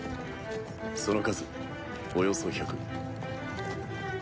その数およそ１００。